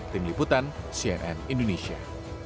tim liputan cnn indonesia